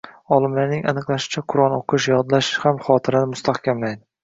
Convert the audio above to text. Olimlar aniqlashicha, Qur’on o‘qish, yodlash ham xotirani mustahkamlaydi.